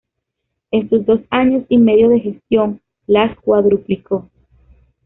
En sus dos años y medio de gestión, las cuadruplicó.